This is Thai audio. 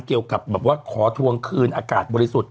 เกี่ยวกับแบบว่าขอทวงคืนอากาศบริสุทธิ์